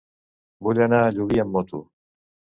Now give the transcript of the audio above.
Vull anar a Llubí amb moto.